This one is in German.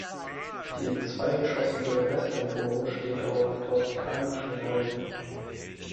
Die zweigeschoßige Westempore steht auf toskanischen Säulen.